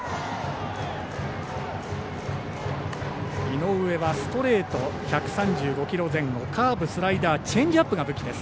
井上はストレート１３５キロ前後カーブ、スライダーチェンジアップが武器です。